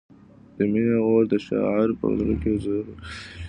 د مینې اور د شاعر په زړه کې په زور بلېږي.